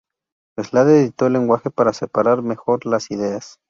Slade editó el lenguaje para separar mejor las ideas.